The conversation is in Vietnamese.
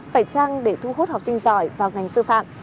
phải trăng để thu hút học sinh giỏi vào ngành sư phạm